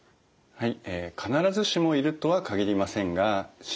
はい。